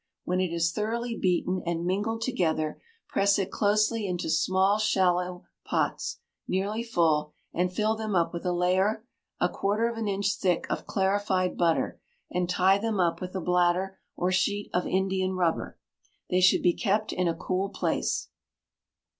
When it is thoroughly beaten and mingled together, press it closely into small shallow pots, nearly full, and fill them up with a layer a quarter of an inch thick of clarified butter, and tie them up with a bladder, or sheet of Indian rubber. They should be kept in a cool place.